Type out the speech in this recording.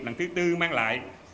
lần thứ tư mang lại